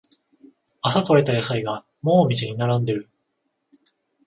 朝とれた野菜がもうお店に並んでる